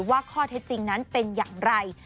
ว่าข้อเท็จจริงนั้นเป็นอย่างไร